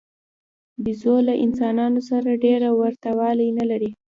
بیزو له انسانانو سره ډېره ورته والی نه لري.